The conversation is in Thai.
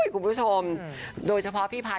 ขอบคุณค่ะ